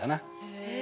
へえ。